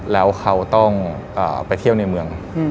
แล้วเขาต้องไปเที่ยวในเมือง